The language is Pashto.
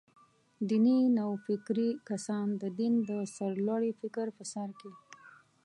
دیني نوفکري کسان «د دین د سرلوړۍ» فکر په سر کې.